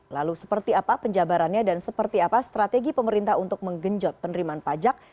lalu seperti apa penjabarannya dan seperti apa strategi pemerintah untuk menggenjot penerimaan pajak